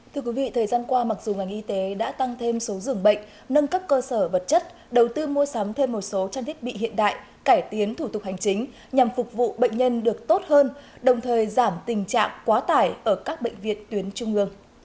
thưa quý vị thời gian qua mặc dù ngành y tế đã tăng thêm số dường bệnh nâng cấp cơ sở vật chất đầu tư mua sắm thêm một số trang thiết bị hiện đại cải tiến thủ tục hành chính nhằm phục vụ bệnh nhân được tốt hơn đồng thời giảm tình trạng quá tải ở các bệnh viện tuyến trung ương